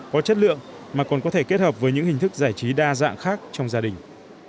có chất lượng mà còn có thể kết hợp với những hình thức giải trí đa dạng khác trong gia đình